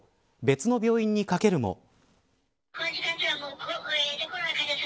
別の病院にかけるも。